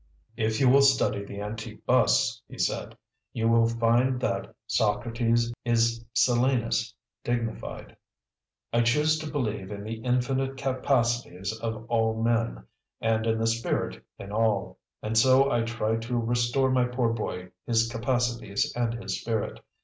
"If you will study the antique busts," he said, "you will find that Socrates is Silenus dignified. I choose to believe in the infinite capacities of all men and in the spirit in all. And so I try to restore my poor boy his capacities and his spirit.